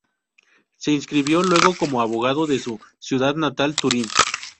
Se inscribió luego como abogado de su ciudad natal, Turín.